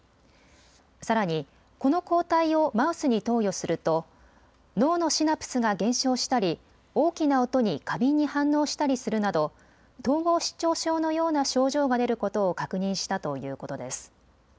さらにこの抗体をマウスに投与すると脳のシナプスが減少したり、大きな音に過敏に反応したりするなど統合失調症のような症状が出ることを確認したということです。